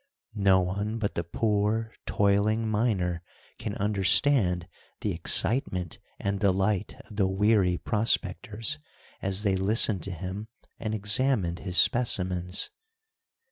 No one but the poor, toiling miner can understand the excitement and delight of the weary prospectors, as they listened to him, and examined his specimens.